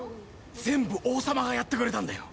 全部王様がやってくれたんだよ！